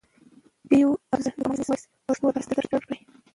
ډیوه افضل د کمان وایس پښتو لپاره ستر چوپړ کړي.